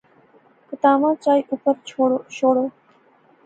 کتاواں چائی اوپر شوڑو